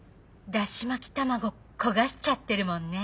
だし巻き卵焦がしちゃってるもんね。